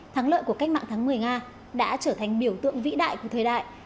thắng lợi của cách mạng tháng một mươi nga đã trở thành biểu tượng vĩ đại của thời đại